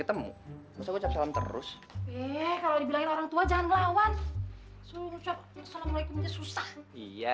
ketemu bisa ucap salam terus kalau dibilang orang tua jangan lawan selalu salam alaikum susah iya